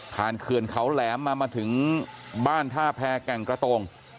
เขื่อนเขาแหลมมามาถึงบ้านท่าแพรแก่งกระโตง